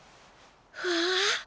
わあ。